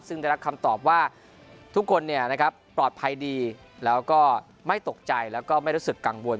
ซึ่งได้รับคำตอบว่าทุกคนปลอดภัยดีแล้วก็ไม่ตกใจแล้วก็ไม่รู้สึกกังวล